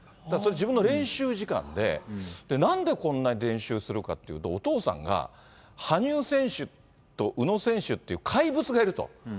だからそれ、自分の練習時間で、なんでこんなに練習するかっていうと、お父さんが、羽生選手と宇野選手っていう怪物がいると。